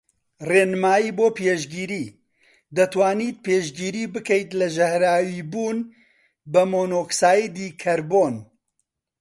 ڕێنمایی بۆ پێشگری:دەتوانیت پێشگری بکەیت لە ژەهراویبوون بە مۆنۆکسایدی کەربۆن